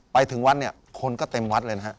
ไปถึงวัดเนี่ยคนก็เต็มวัดเลยนะฮะ